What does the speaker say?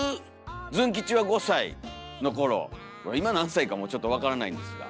ズン吉は５歳の頃今何歳かもちょっと分からないんですが。